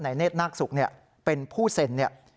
นายเนธนักศุกร์เนี่ยเป็นผู้เซ็นเนี่ย